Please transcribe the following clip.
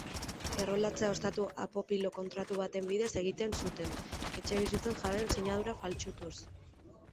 Erroldatzea ostatu-apopilo kontratu baten bidez egiten zuten, etxebizitzen jabeen sinadura faltsutuz.